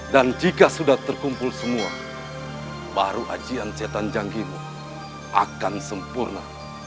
dan jika sudah terkumpul semua baru ajian setan jangkimu akan sempurna